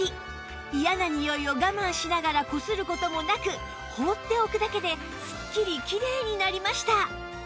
嫌なにおいを我慢しながらこする事もなく放っておくだけでスッキリきれいになりました